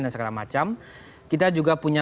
dan segala macam kita juga punya